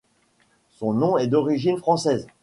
Son nom est d'origine française.